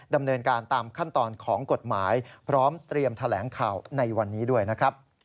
ดำเนินการตามขั้นตอนของกฎหมายพร้อมเตรียมแถลงข่าวในวันนี้ด้วยนะครับ